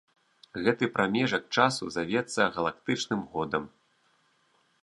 Гэты прамежак часу завецца галактычным годам.